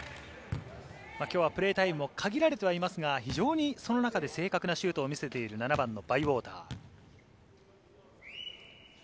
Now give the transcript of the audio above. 今日はプレータイムも限られてはいますが、その中で非常に正確なシュートを見せている７番のバイウォーター。